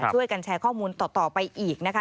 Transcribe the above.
ช่วยกันแชร์ข้อมูลต่อไปอีกนะคะ